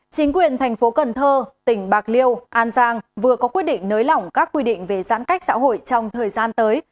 chính quyền tp cn tỉnh bạc liêu an giang vừa có quyết định nới lỏng các quy định về giãn cách xã hội trong thời gian tới